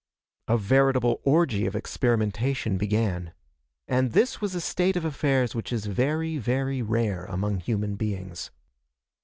A veritable orgy of experimentation began. And this was a state of affairs which is very, very rare among human beings.